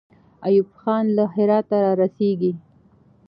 ایوب خان له هراته را رسېږي.